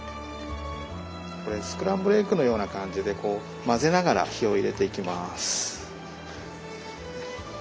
これスクランブルエッグのような感じでこう混ぜながら火を入れていきます。